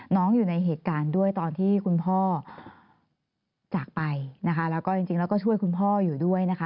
อยู่ในเหตุการณ์ด้วยตอนที่คุณพ่อจากไปนะคะแล้วก็จริงแล้วก็ช่วยคุณพ่ออยู่ด้วยนะคะ